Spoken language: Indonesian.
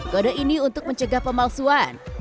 kode ini untuk mencegah pemalsuan